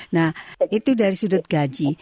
nah itu dari sudut gaji